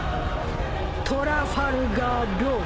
トラファルガー・ロー。